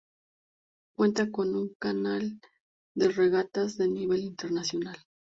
Cuenta con un canal de regatas de nivel internacional.